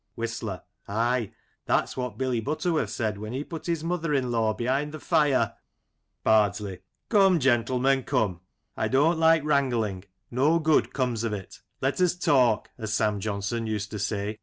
Whistler : Ay, that's what Billy Butterworth said when he put his mother in law behind the fire. J An Ambrosial Noon. 117 Bardsley : Come, gentlemen, come. I don't like wrang ling, no good comes of it " Let us talk," as Sam Johnson used to say.